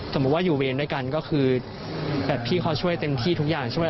สมมุติว่าอยู่เวรด้วยกันก็คือแบบพี่เขาช่วยเต็มที่ทุกอย่างใช่ไหม